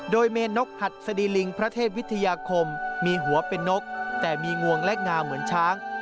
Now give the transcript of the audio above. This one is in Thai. โดยเมนนกหัดสดีลิงพระเทพวิทยาคมมีหัวเป็นนกแต่มีงวงและงาเหมือนช้าง